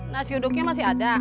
nas yuduknya masih ada